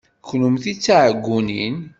Kennemti d tiɛeggunin.